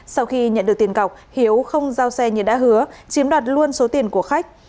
sau khi nhận được tiền cọc hiếu không giao xe như đã hứa chiếm đoạt luôn số tiền của khách